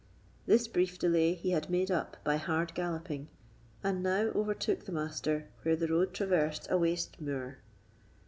This brief delay he had made up by hard galloping, and now overtook the Master where the road traversed a waste moor.